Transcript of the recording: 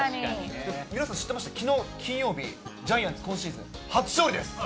皆さん知ってました、金曜日、ジャイアンツ今シーズン初勝利です。